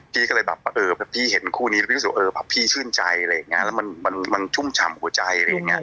พี่ก็เลยเห็นคู่นี้พี่ชื่นใจแล้วมันชุ่มฉ่ำหัวใจ